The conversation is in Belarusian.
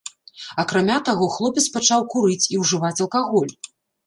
Акрамя таго, хлопец пачаў курыць і ўжываць алкаголь.